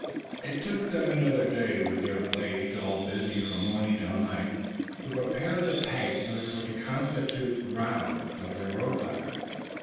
It took them another day with their blades all busy from morning till night to prepare the pegs which were to constitute the "rounds" of their rope ladder.